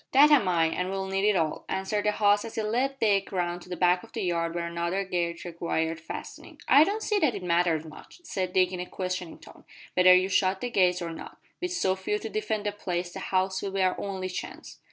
"That am I, and we'll need it all," answered the host as he led Dick round to the back of the yard where another gate required fastening. "I don't see that it matters much," said Dick in a questioning tone, "whether you shut the gates or not. With so few to defend the place the house will be our only chance."